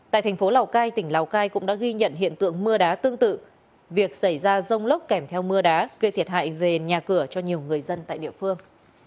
tại thành phố lào cai tỉnh lào cai cũng đã ghi nhận hiện tượng mưa đá tương tự việc xảy ra rông lốc kèm theo mưa đá gây thiệt hại về nhà cửa cho nhiều người dân tại địa phương